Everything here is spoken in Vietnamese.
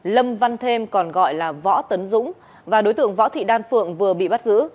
lâm văn thêm còn gọi là võ tấn dũng và đối tượng võ thị đan phượng vừa bị bắt giữ